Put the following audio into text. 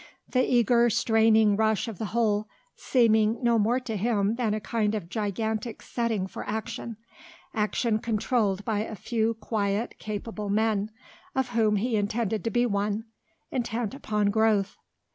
The eager, straining rush of the whole, seemed no more to him than a kind of gigantic setting for action; action controlled by a few quiet, capable men of whom he intended to be one intent upon growth.